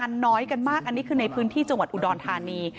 มันน้อยกันมากอันนี้คือในพื้นที่จังหวัดอุดรธานี